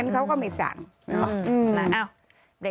ก็คงไม่มูล